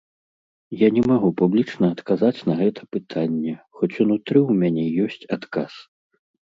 Я не магу публічна адказаць на гэта пытанне, хоць унутры ў мяне ёсць адказ.